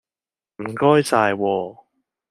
唔該晒喎